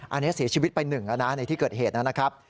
อันนี้เสียชีวิตไป๑ในที่เกิดเหตุนะครับ